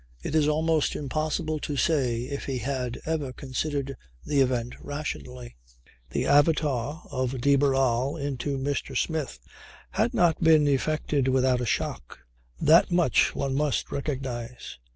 It is almost impossible to say if he ever had considered the event rationally. The avatar of de Barral into Mr. Smith had not been effected without a shock that much one must recognize.